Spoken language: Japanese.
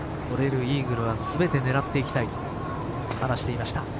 取れるイーグルは全て狙っていきたいと話していました。